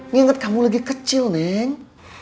nginget kamu lagi kecil neng